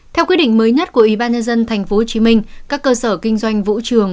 theo quyết định mới nhất của ubnd tp hcm các cơ sở kinh doanh vũ trường